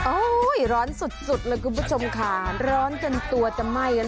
โอ้ยร้อนสุดสุดเลยคุณผู้ชมค่ะร้อนจนตัวจะไหม่เลย